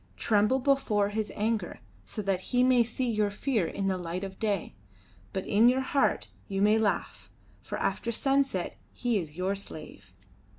Tremble before his anger, so that he may see your fear in the light of day; but in your heart you may laugh, for after sunset he is your slave."